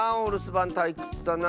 ばんたいくつだな。